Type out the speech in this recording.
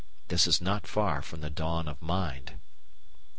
This is not far from the dawn of mind.